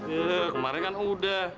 eh kemarin kan udah